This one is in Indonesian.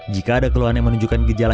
jika ada keluhan yang menunjukkan gejala